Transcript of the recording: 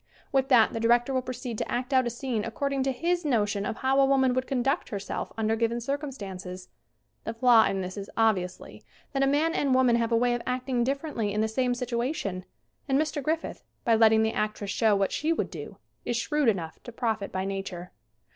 With that the director will proceed to act out a scene according to his notion of how a woman would conduct herself under given cir cumstances. The flaw in this is obviously that a man and woman have a way of acting differ ently in the same situation and Mr. Griffith, by letting the actress show what she would do, is shrewd enough to profit by Nature.